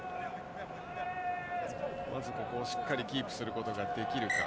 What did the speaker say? ここをしっかりキープすることができるか。